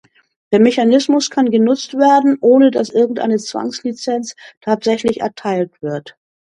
Der Mechanismus kann genutzt werden, ohne dass irgendeine Zwangslizenz tatsächlich erteilt wird.